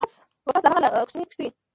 و کس د هغه له کوچنۍ کښتۍ